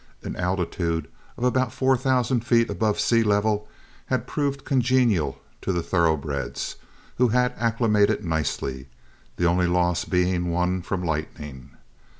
An altitude of about four thousand feet above sea level had proved congenial to the thoroughbreds, who had acclimated nicely, the only loss being one from lightning.